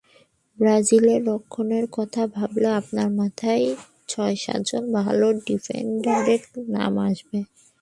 ব্রাজিলের রক্ষণের কথা ভাবলে আপনার মাথায় ছয়-সাতজন ভালো ডিফেন্ডারের নাম আসবে।